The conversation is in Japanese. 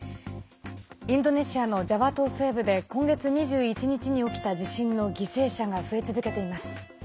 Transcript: インドネシアのジャワ島西部で今月２１日に起きた地震の犠牲者が増え続けています。